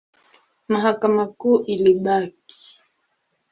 Mahakama Kuu ilibaki.